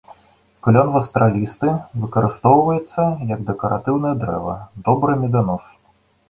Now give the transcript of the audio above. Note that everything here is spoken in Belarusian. Клён вастралісты выкарыстоўваецца як дэкаратыўнае дрэва, добры меданос.